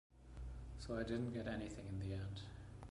So I didn’t get anything in the end